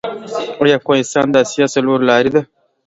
آیا افغانستان د اسیا څلور لارې ده؟